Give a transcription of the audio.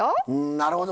なるほど。